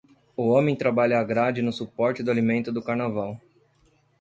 O homem trabalha a grade no suporte do alimento do carnaval.